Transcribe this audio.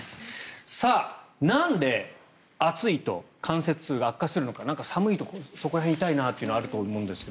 なんで暑いと関節痛が悪化するのか寒いとそこら辺痛いなというのはあると思うんですが。